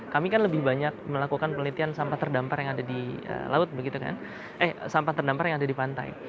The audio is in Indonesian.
kami kan lebih banyak melakukan penelitian sampah terdampar yang ada di pantai